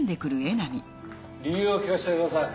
理由を聞かせてください。